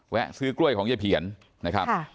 ซื้อกล้วยของยายเพียนนะครับ